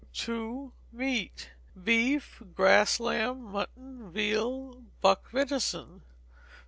ii. Meat. Beef, grass lamb, mutton, veal, buck venison.